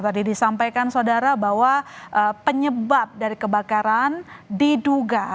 tadi disampaikan saudara bahwa penyebab dari kebakaran diduga